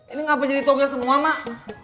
ini ngapa jadi toge semua mak